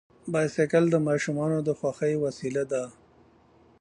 بایسکل د ماشومانو د خوښۍ وسیله ده.